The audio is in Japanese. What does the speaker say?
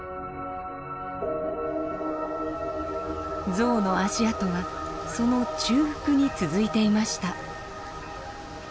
ゾウの足跡はその中腹に続いていました。